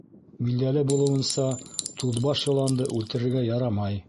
Билдәле булыуынса, туҙбаш йыланды үлтерергә ярамай.